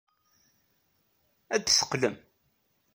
Ad d-teqqlem?